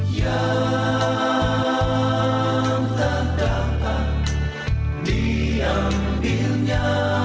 yang tak dapat diambilnya